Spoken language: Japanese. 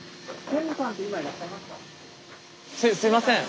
すいません。